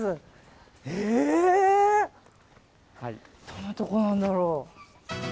どんなところなんだろう。